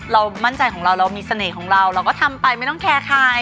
มั่นใจของเราเรามีเสน่ห์ของเราเราก็ทำไปไม่ต้องแคร์ใคร